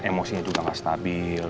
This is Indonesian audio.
emosinya juga gak stabil